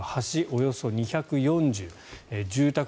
およそ２４０住宅